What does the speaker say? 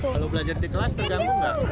kalau belajar di kelas terganggu nggak